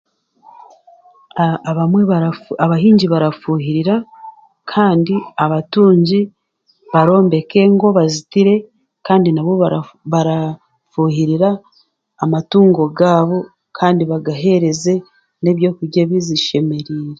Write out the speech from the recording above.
A abamwe barafu abahingi barafuhirira kandi abatungi barombeka engo bazitire kandi nabo bara barafu-barafuhirira amatungo gaabo kandi baziheereze n'ebyokurya ebi zishemereire